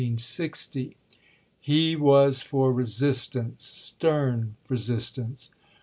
He was for resistance — stern resistance.